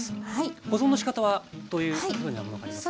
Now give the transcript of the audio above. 保存のしかたはどういうふうなものがありますか？